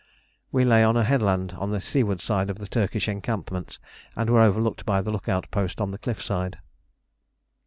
We lay on a headland on the seaward side of the Turkish encampment, and were overlooked by the look out post on the cliff side.